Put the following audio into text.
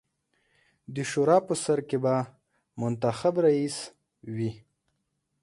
د شورا په سر کې به منتخب رییس وي.